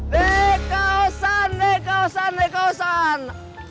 dekausan dekausan dekausan